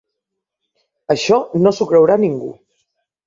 Això, no s'ho creurà ningú.